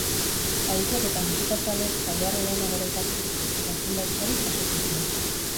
Adituek eta musikazaleek taldearen lana goraipatu zuten, eta zenbait sari jaso zituen.